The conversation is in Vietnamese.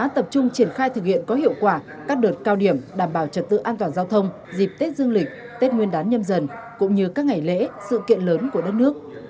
tập trung triển khai thực hiện có hiệu quả các đợt cao điểm đảm bảo trật tự an toàn giao thông dịp tết dương lịch tết nguyên đán nhâm dần cũng như các ngày lễ sự kiện lớn của đất nước